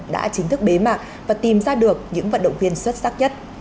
đã chính thức bế mạc và tìm ra được những vận động viên xuất sắc nhất